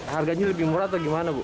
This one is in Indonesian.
harganya lebih murah atau gimana bu